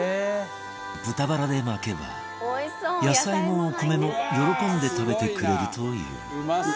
豚バラで巻けば野菜も、お米も喜んで食べてくれるというバカリズム：うまそう！